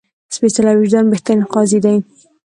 سپېڅلی وجدان بهترین قاضي ده